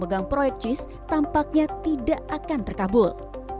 pemegang proyek jis tampaknya tidak akan terkabul